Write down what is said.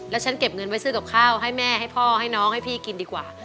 แล้วฉันเก็บเงินไว้ซื้อกับข้าวให้แม่ให้พ่อให้น้องให้พี่กินดีกว่า